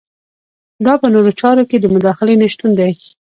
دا په نورو چارو کې د مداخلې نشتون دی.